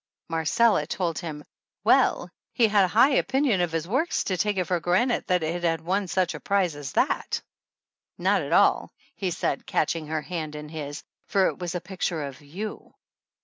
Marcella told him well, he had a high opinion of his work to take it for granted that it had won such a prize as that . "Not at all," he said, catching her hand in his, "for it was a picture of you."